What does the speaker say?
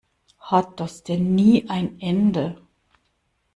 Hat das denn nie ein Ende?